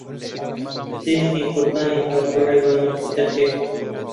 جێژنی قوربانی پار دوو حەیوانمان کردنە خێر.